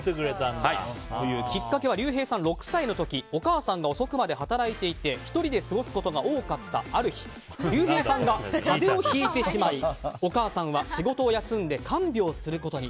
きっかけはりゅうへいさん６歳の時お母さんが遅くまで働いていて１人で過ごすことが多かったある日りゅうへいさんが風邪をひいてしまいお母さんは仕事を休んで看病することに。